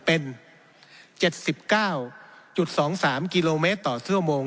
เป็น๗๙๒๓กิโลเมตรต่อชั่วโมง